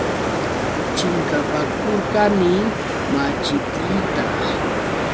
Chinkapakurqani machitiita.